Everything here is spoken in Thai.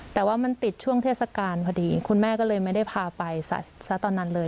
แต่ว่ามันปิดช่วงเทศกาลพอดีคุณแม่ก็เลยไม่ได้พาไปซะตอนนั้นเลย